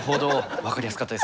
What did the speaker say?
分かりやすかったです。